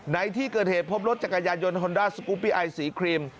ในที่เกิดเหตุพบรถจักรยานยนต์ฮอนด้าสกุปปี้ไอสีครีม